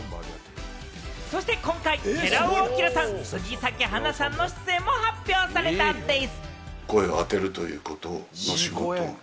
そして今回、寺尾聰さん、杉咲花さんの出演も発表されたんでぃす。